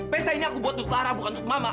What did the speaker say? pesta ini aku buat untuk lara bukan untuk mama